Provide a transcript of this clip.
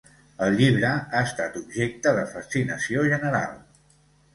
El llibre ha estat objecte de fascinació general.